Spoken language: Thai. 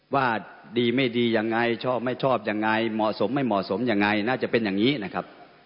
ว่าดีไม่ดียังไงชอบไม่ชอบยังไงเหมาะสมไม่เหมาะสมยังไงน่าจะเป็นอย่างนี้นะครับ